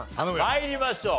参りましょう。